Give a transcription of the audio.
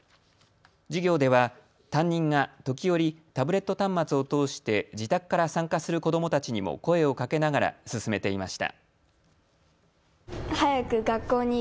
授業では担任が時折、タブレット端末を通して自宅から参加する子どもたちにも声をかけながら進めていました。